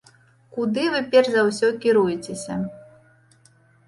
Куды вы перш за ўсё кіруецеся?